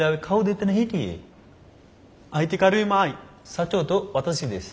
社長と私です。